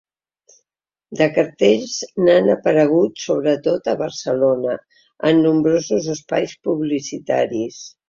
De cartells, n’han apareguts sobretot a Barcelona, en nombrosos espais publicitaris.